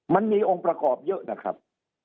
มันมีองค์ประกอบเยอะนะครับ